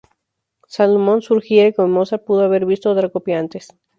Solomon sugiere que Mozart pudo haber visto otra copia antes.